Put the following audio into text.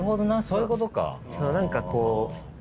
そういうことか。